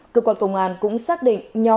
cơ quan công an cũng xác định